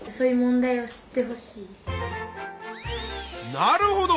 なるほど！